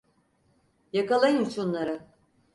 Yakalayın şunları!